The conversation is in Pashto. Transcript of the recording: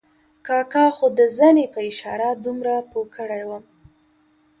کاکا خو د زنې په اشاره دومره پوه کړی وم.